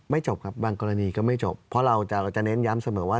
จบครับบางกรณีก็ไม่จบเพราะเราจะเน้นย้ำเสมอว่า